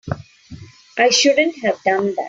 I shouldn't have done that.